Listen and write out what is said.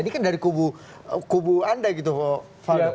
ini kan dari kubu anda gitu pak faldo